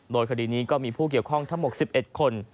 โดยคดีนี้ก็มีผู้เกี่ยวข้องทั้งหมด๑๑คน